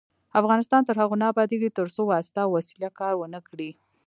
افغانستان تر هغو نه ابادیږي، ترڅو واسطه او وسیله کار ونه کړي.